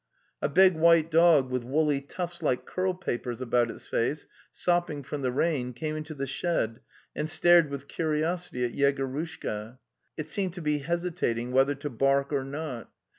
A big white dog with woolly tufts like curl papers about its face, sopping from the rain, came into the shed and stared with curiosity at Yegorushka. It seemed to be hesitating whether to bark or not.